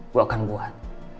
gue akan buat